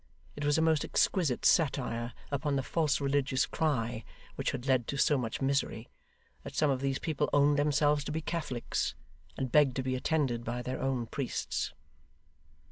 It was a most exquisite satire upon the false religious cry which had led to so much misery, that some of these people owned themselves to be Catholics, and begged to be attended by their own priests.